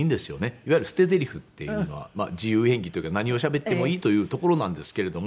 いわゆる捨てゼリフっていうのは自由演技というか何をしゃべってもいいというところなんですけれども。